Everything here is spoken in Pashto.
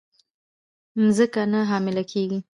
مځکه نه حامله کیږې